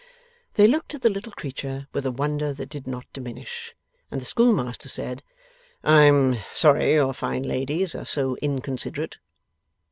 They looked at the little creature with a wonder that did not diminish, and the schoolmaster said: 'I am sorry your fine ladies are so inconsiderate.